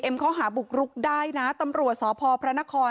เอมเขาหาบุกลุกได้นะตำรวจสภพพระนคร